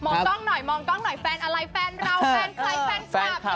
มองกล้องหน่อยมองกล้องหน่อยแฟนอะไรแฟนเรา